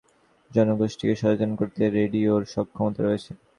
সম্ভব দ্রুত সময়ের মধ্যে বৃহত্তর জনগোষ্ঠীকে সচেতন করতে রেডিওর সক্ষমতা রয়েছে।